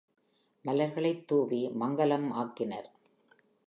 மலர்களைத் தூவி மங்கலம் ஆக்கினர்.